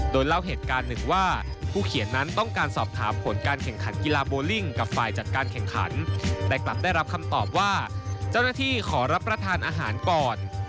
โดยเล่าเหตุการณ์หนึ่งว่าผู้เขียนนั้นต้องการสอบถามผลการแข่งขันกีฬาโบลิ่งกับฝ่ายจัดการแข่งขันแต่กลับได้รับคำตอบว่าเจ้าหน้าที่ขอรับประทานอาหารก่อน